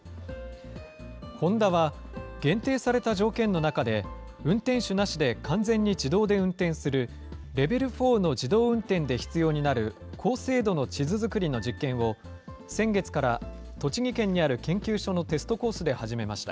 ホンダは、限定された条件の中で、運転手なしで完全に自動で運転する、レベル４の自動運転で必要になる高精度の地図作りの実験を先月から栃木県にある研究所のテストコースで始めました。